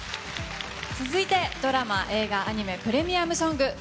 続いてドラマ・映画・アニメプレミアムソング。